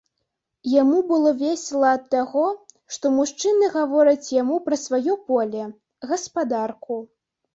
Яму было весела ад таго, што мужчыны гавораць яму пра сваё поле, гаспадарку.